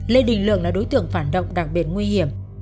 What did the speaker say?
lê đình lượng là đối tượng phản động đặc biệt nguy hiểm